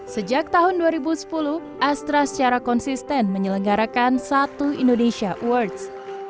sejak tahun dua ribu sepuluh astra secara konsisten menyelenggarakan satu indonesia awards